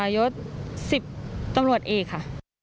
ยศ๑๐ตำรวจเอกค่ะ